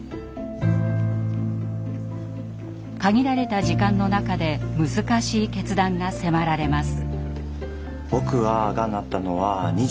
限られた時間の中で難しい決断が迫られます。